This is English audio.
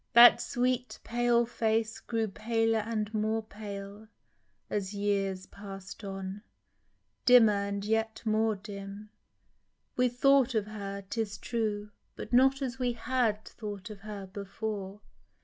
That sweet pale face grew paler and more pale As years pass'd on, dimmer and yet more dim ; We thought of her, 'tis true, but not as we Had thought of her before.